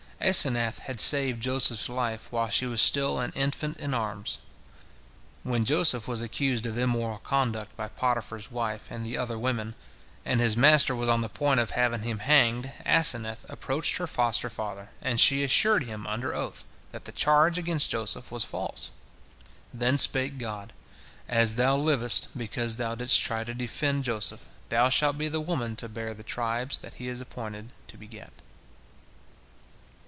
Asenath had saved Joseph's life while she was still an infant in arms. When Joseph was accused of immoral conduct by Potiphar's wife and the other women, and his master was on the point of having him hanged, Asenath approached her foster father, and she assured him under oath that the charge against Joseph was false. Then spake God, "As thou livest, because thou didst try to defend Joseph, thou shalt be the woman to bear the tribes that he is appointed to beget.